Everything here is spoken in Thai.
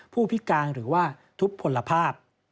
ผู้พิการหรือว่าทุบผลภาพ